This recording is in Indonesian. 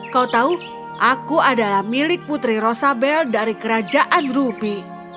kau tahu aku adalah milik putri rosabel dari kerajaan ruby